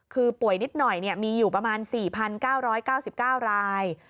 คือป่วยนิดหน่อยมีอยู่ประมาณ๔๙๙๙ราย